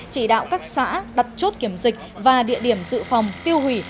chỉ đạo các xã đặt chốt kiểm dịch và địa điểm dự phòng tiêu hủy